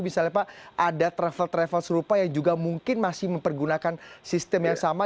misalnya pak ada travel travel serupa yang juga mungkin masih mempergunakan sistem yang sama